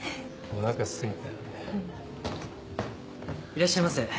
いらっしゃいませ。